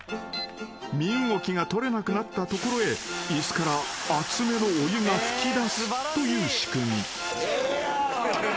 ［身動きが取れなくなったところへ椅子から熱めのお湯が噴き出すという仕組み］